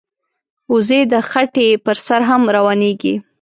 وزې د خټې پر سر هم روانېږي